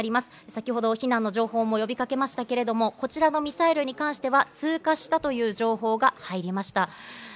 先ほど避難の情報も呼びかけましたけれども、こちらのミサイルに関しては通過したという情報が入りました。